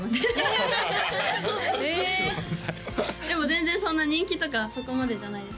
全然そんな人気とかそこまでじゃないです